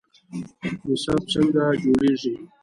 نصاب څنګه جوړیږي؟